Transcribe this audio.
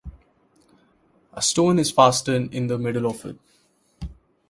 A stone is fastened in the middle of it.